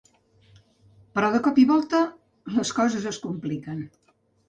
Però de cop i volta, les coses es compliquen.